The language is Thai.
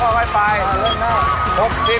ค่อยไป